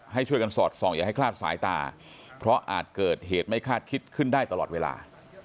ให้ช่วยกันสอดส่องอย่าให้คลาดสายตาเพราะอาจเกิดเหตุไม่คาดคิดขึ้นได้ตลอดเวลา